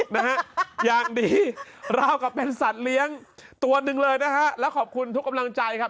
นะฮะอย่างดีราวกับเป็นสัตว์เลี้ยงตัวหนึ่งเลยนะฮะแล้วขอบคุณทุกกำลังใจครับ